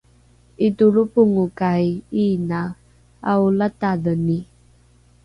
’itolropongokai iinae aolatadheni?